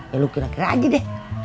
ya luki laki laki aja deh